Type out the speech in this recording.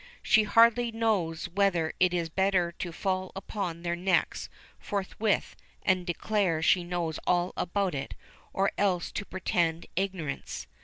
She hardly knows whether it is better to fall upon their necks forthwith and declare she knows all about it, or else to pretend ignorance.